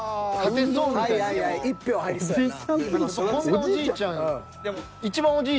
こんなおじいちゃん。